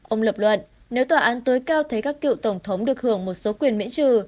ông lập luận nếu tòa án tối cao thấy các cựu tổng thống được hưởng một số quyền miễn trừ